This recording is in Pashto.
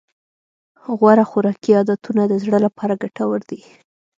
غوره خوراکي عادتونه د زړه لپاره ګټور دي.